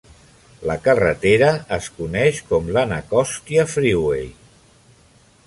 La carretera es coneix com l'Anacostia Freeway.